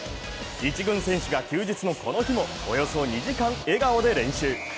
１軍選手が休日のこの日もおよそ２時間、笑顔で練習。